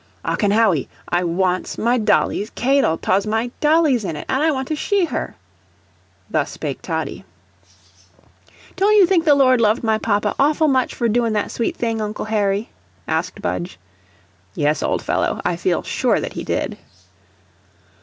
"Ocken Hawwy, I wants my dolly's k'adle, tause my dolly's in it, an' I want to shee her;" thus spake Toddie. "Don't you think the Lord loved my papa awful much for doin' that sweet thing, Uncle Harry?" asked Budge. "Yes, old fellow, I feel sure that he did."